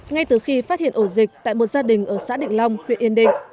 ngay từ khi phát hiện ổ dịch tại một gia đình ở xã định long huyện yên định